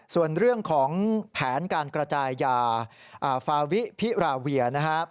ส่วนเรื่องของแผนการกระจายยาฟาวิพิราเวียนะครับ